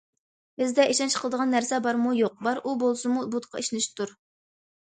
بىزدە ئىشەنچ قىلىدىغان نەرسە بارمۇ- يوق؟ بار ئۇ بولسىمۇ بۇتقا ئىشىنىشتۇر.